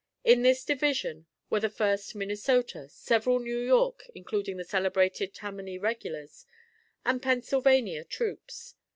In this Division were the First Minnesota, several New York (including the celebrated Tammany Regulars) and Pennsylvania troops.